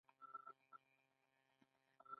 هدف دا دی چې د کورنیو او نړیوالو پام ځانته راواړوي.